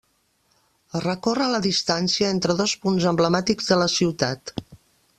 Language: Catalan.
Recorre la distància entre dos punts emblemàtics de la ciutat.